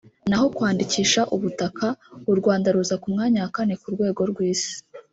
naho kwandikisha ubutaka u Rwanda ruza ku mwanya wa kane ku rwego rw’isi